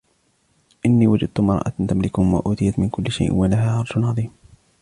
إني وجدت امرأة تملكهم وأوتيت من كل شيء ولها عرش عظيم